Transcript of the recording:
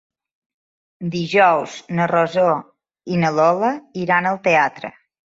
Dijous na Rosó i na Lola iran al teatre.